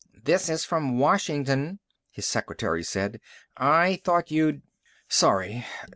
"This is from Washington," his secretary said. "I thought you'd " "Sorry."